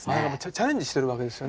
チャレンジしてるわけですよね。